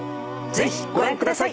ぜひご覧ください。